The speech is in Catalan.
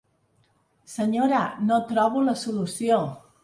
Senyora, no trobo la solució.